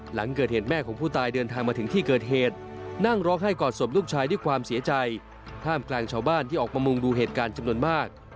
หลังเกิดเหตุแม่ของผู้ตายเดินทางมาถึงที่เกิดเหตุนั่งร้องไห้กอดศพลูกชายด้วยความเสียใจท่ามกลางชาวบ้านที่ออกมามุงดูเหตุการณ์จำนวนมาก